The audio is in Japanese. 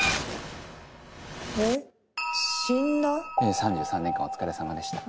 ３３年間お疲れさまでした。